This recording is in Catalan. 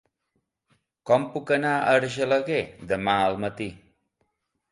Com puc anar a Argelaguer demà al matí?